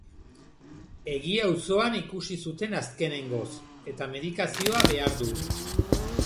Egia auzoan ikusi zuten azkenengoz, eta medikazioa behar du.